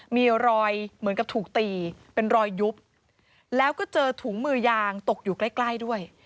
มีรอยเหมือนกับถูกตีเป็นรอยยุบแล้วก็เจอถุงมือยางตกอยู่ใกล้ใกล้ด้วย